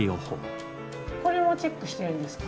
これもチェックしてるんですか？